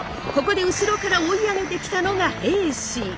ここで後ろから追い上げてきたのが平氏。